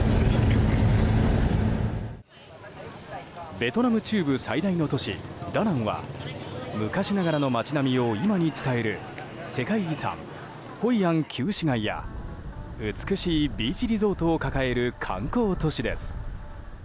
ベトナム中部最大の都市ダナンは昔ながらの街並みを今に伝える世界遺産、ホイアン旧市街や美しいビーチリゾートを抱える観光都市です。